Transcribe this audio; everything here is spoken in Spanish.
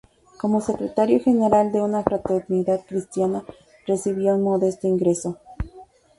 Como Secretario General de una fraternidad cristiana recibía un modesto ingreso.